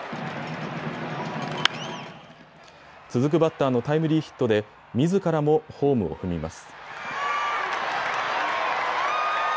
続くバッターのタイムリーヒットでみずからもホームを踏みます。